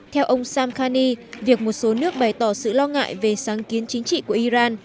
theo ông samkhani việc một số nước bày tỏ sự lo ngại về sáng kiến chính trị của iran